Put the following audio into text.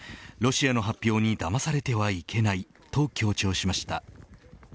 ロシアの発表にだまされてはいけないと強調しました。